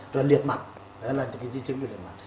rồi liệt mặt đó là những di chứng về liệt mặt